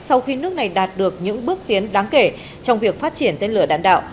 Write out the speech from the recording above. sau khi nước này đạt được những bước tiến đáng kể trong việc phát triển tên lửa đạn đạo